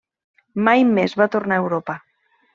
Mai més va tornar a Europa.